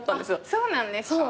そうなんですか。